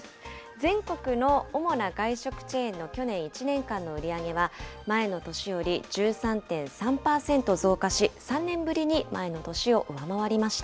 全国の主な外食チェーンの去年１年間の売り上げは、前の年より１３．３％増加し、３年ぶりに前の年を上回りました。